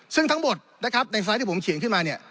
ซึ่งทั้งหมดนะครับในสไลด์ที่ผมเขียนขึ้นมาเนี่ย